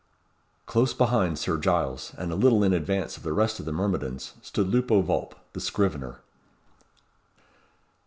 Close behind Sir Giles, and a little in advance of the rest of the myrmidons, stood Lupo Vulp, the scrivener.